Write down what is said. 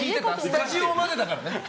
スタジオまでだからね。